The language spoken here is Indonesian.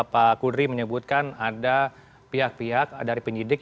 pak kudri menyebutkan ada pihak pihak dari penyidik